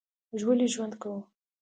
موږ ولي ژوند کوو؟